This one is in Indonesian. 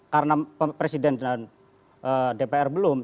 karena presiden dan dpr belum